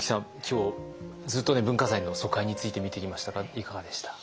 今日ずっと文化財の疎開について見てきましたがいかがでした？